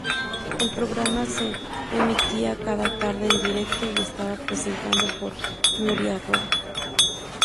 El programa se emitía cada tarde en directo y estaba presentado por Nuria Roca.